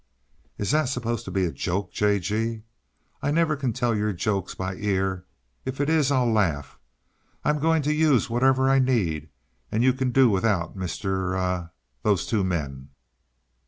"Is that supposed to be a joke, J. G.? I never can tell YOUR jokes by ear. If it is, I'll laugh. I'm going to use whatever I need and you can do without Mr. er those two men."